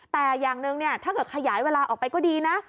แต่อย่างหนึ่งเนี่ยถ้าเกิดขยายเวลาออกไปก็ดีนะ